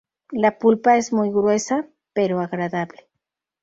La pulpa es muy gruesa, pero agradable.